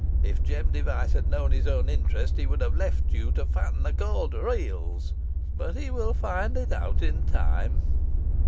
If Jem Device had known his own interest, he would have left you to fatten the Calder eels; but he will find it out in time."